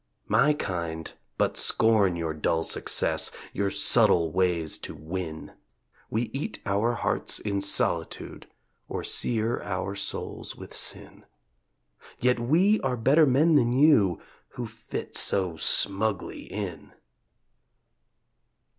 My kind but scorn your dull "success" Your subtle ways to "win," We eat our hearts in solitude Or sear our souls with "sin"; Yet we are better men than you Who fit so smugly in.